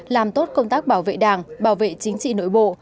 làm tốt công tác bảo vệ đảng bảo vệ chính trị nội bộ